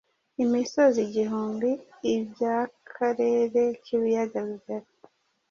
imisozi igihumbi ibyakarere k’ibiyaga bigari.